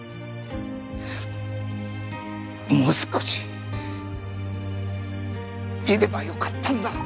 もう少しいればよかったんだ俺。